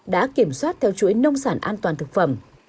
đã kiểm soát theo chuỗi nông sản an toàn thực phẩm